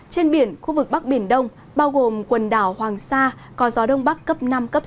trên biển khu vực bắc biển đông bao gồm quần đảo hoàng sa có gió đông bắc cấp năm sáu